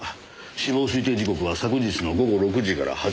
死亡推定時刻は昨日の午後６時から８時の間です。